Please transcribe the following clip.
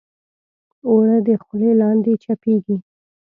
اوړه د خولې لاندې چپېږي